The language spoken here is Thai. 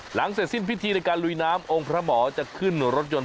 หลังเสร็จสิ้นพิธีในการลุยน้ำองค์พระหมอจะขึ้นรถยนต์